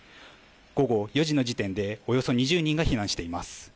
午後４時の時点でおよそ２０人が避難しています。